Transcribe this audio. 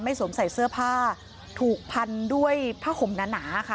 สวมใส่เสื้อผ้าถูกพันด้วยผ้าห่มหนาค่ะ